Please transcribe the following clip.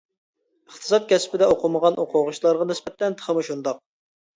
ئىقتىساد كەسپىدە ئوقۇمىغان ئوقۇغۇچىلارغا نىسبەتەن تېخىمۇ شۇنداق.